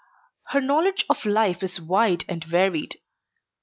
Her knowledge of life is wide and varied.